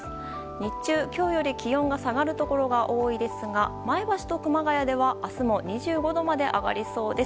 日中、今日より気温が下がるところが多いですが前橋と熊谷では明日も２５度まで上がりそうです。